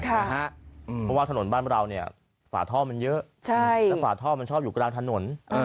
เพราะว่าถนนบ้านเราเนี่ยฝาท่อมันเยอะแล้วฝาท่อมันชอบอยู่กลางถนน